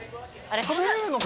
食べれるのかな？